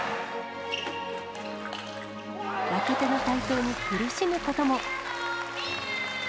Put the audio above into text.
若手の台頭に苦しむことも。